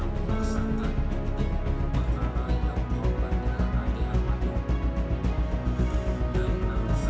dua persatuan di atas